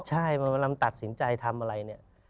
ใช่พอเวลามันตัดสินใจทำอะไรเนี่ย